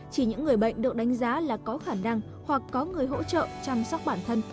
chỉ những người bệnh được đánh giá là có khả năng hoặc có người hỗ trợ chăm sóc bản thân